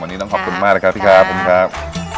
วันนี้ต้องขอบคุณมากเลยครับพี่ครับ